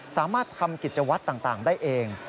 สามารถทำกิจวัตรต่างได้เอง